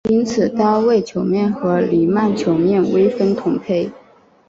因此单位球面和黎曼球面微分同胚。